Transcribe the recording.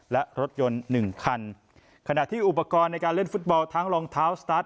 และรถยนต์หนึ่งคันขณะที่อุปกรณ์ในการเล่นฟุตบอลทั้งรองเท้าสตาร์ท